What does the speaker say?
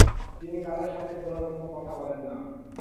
তিনি কারও সাথে কোন রকম কথা বলেন না।